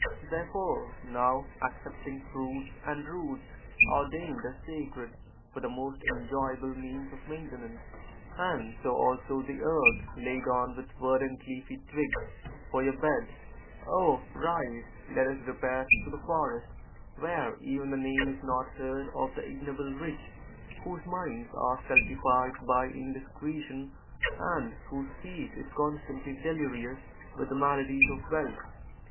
Therefore, now, accepting fruits and roots, ordained as sacred, for the most enjoyable means of maintenance, and (so also) the earth (laid on) with verdant leafy twigs for your bed, oh, rise, let us repair to the forest, where even the name is not heard of the ignoble rich whose minds are stultified by indiscretion and whose speech is constantly delirious with the maladies of wealth.